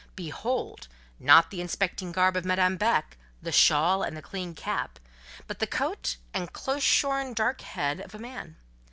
Behold! not the inspecting garb of Madame Beck—the shawl and the clean cap—but the coat, and the close shorn, dark head of a man.